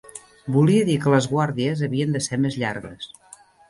Volia dir que les guàrdies havien de ser més llargues